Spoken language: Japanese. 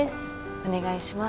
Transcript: お願いします